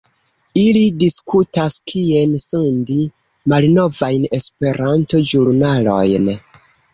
Ili diskutas kien sendi malnovajn Esperanto-ĵurnalojn